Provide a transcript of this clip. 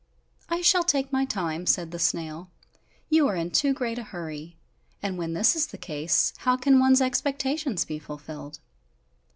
"I shall take my time," said the snail, "you are in too great a hurry, and when this is the case, how can one's expectations be fulfilled?"